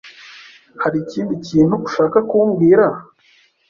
Hari ikindi kintu ushaka kumbwira?